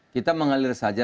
kita mengalir saja